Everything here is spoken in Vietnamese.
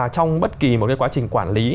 trong bất kỳ một cái quá trình quản lý